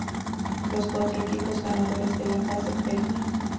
Los cuatro equipos ganadores de la fase previa.